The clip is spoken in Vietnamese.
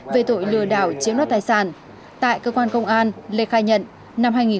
về tội lừa đảo chiếm đoát tài sản tại cơ quan công an lê khai nhận